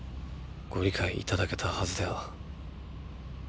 ご理解いただけたはずでは？